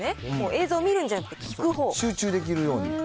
映像を見るんじゃなくて、集中できるように。